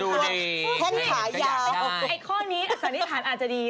ชอบมากค่ะค่ะบ๊วยก็อยากแซมอีกข้อนี้ความสัญญาณอาจจะดี